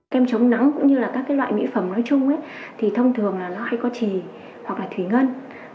kem chống nắng cũng như các loại mỹ phẩm nói chung thì thông thường nó hay có chỉ hoặc là thủy ngân